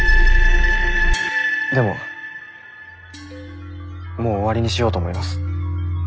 でももう終わりにしようと思います。